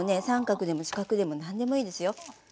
三角でも四角でも何でもいいですよ。